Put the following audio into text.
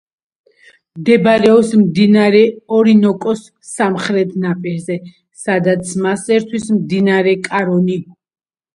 მდებარეობს მდინარე ორინოკოს სამხრეთ ნაპირზე, სადაც მას ერთვის მდინარე კარონი.